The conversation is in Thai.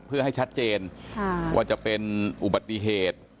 เพื่อให้ชัดเจนว่าจะเป็นอุบัติเหตุ